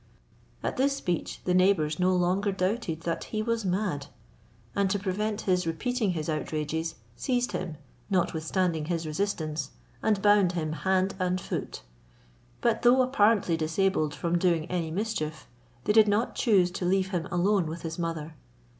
At this speech the neighbours no longer doubted that he was mad: and to prevent his repeating his outrages, seized him, notwithstanding his resistance, and bound him hand and foot, But though apparently disabled from doing any mischief, they did not choose to leave him alone with his mother.